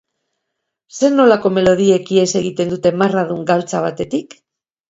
Zer nolako melodiek ihes egiten dute marradun galtza batetik?